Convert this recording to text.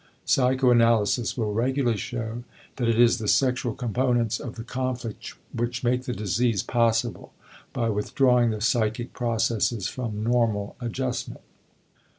Psychoanalysis will regularly show that it is the sexual components of the conflict which make the disease possible by withdrawing the psychic processes from normal adjustment.